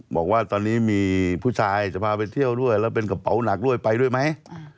บอกว่าตอนนี้มีผู้ชายจะพาไปเที่ยวด้วยแล้วเป็นกระเป๋าหนักด้วยไปด้วยไหม